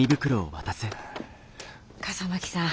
笠巻さん